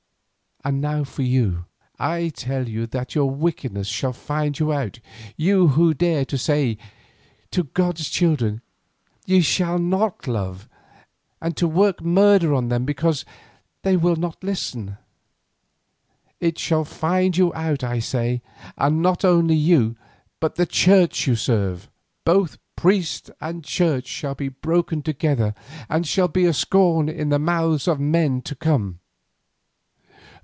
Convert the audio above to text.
And now for you—I tell you that your wickedness shall find you out, you who dare to say to God's children—'Ye shall not love,' and to work murder on them because they will not listen. It shall find you out I say, and not only you but the Church you serve. Both priest and Church shall be broken together and shall be a scorn in the mouths of men to come."